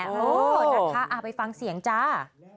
ดังค่ะอาไปฟังเสียงจ้า